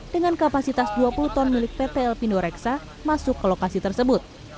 dengan kapasitas dua puluh ton milik pt lpindo reksa masuk ke lokasi tersebut